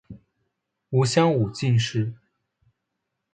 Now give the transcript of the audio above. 吴襄武进士。